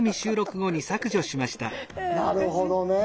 なるほどね。